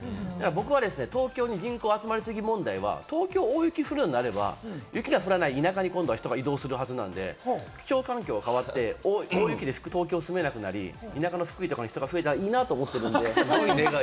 僕は東京に人口が集まりすぎ問題は、東京に大雪が降るのであれば、雪が降らない田舎に今度は人が移動するはずなので、気象環境が変わって大雪で東京に住めなくなり、田舎の福井とかに人が増えたらうれしいなと思ってます。